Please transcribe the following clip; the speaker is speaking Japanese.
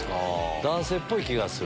男性っぽい気がする？